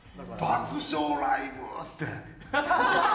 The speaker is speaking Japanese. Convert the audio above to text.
「爆笑ライブ」って。